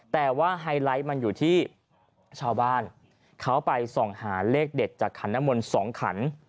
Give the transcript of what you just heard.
แต่ว่าไฮไลท์มันอยู่ที่ชาวบ้านเขาไปส่องหาเลขเด็ดจากขันนมล๒ขัน